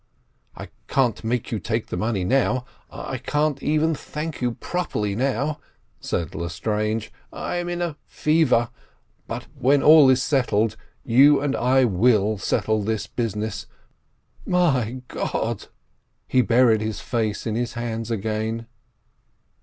"I can't make you take the money now—I can't even thank you properly now," said Lestrange—"I am in a fever; but when all is settled, you and I will settle this business. My God!" He buried his face in his hands again.